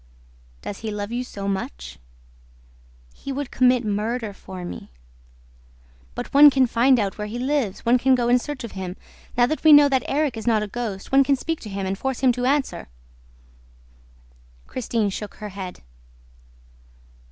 "Does he love you so much?" "He would commit murder for me." "But one can find out where he lives. One can go in search of him. Now that we know that Erik is not a ghost, one can speak to him and force him to answer!" Christine shook her head.